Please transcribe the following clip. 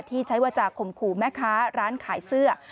ที่ใช้วาจาคมขู่แม่ค้าร้านขายเสื้อ